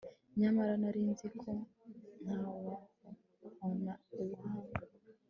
nyamara nari nzi ko nta wabona ubuhanga